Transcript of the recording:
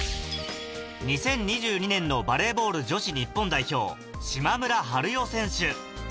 ２０２２年のバレーボール女子日本代表島村春世選手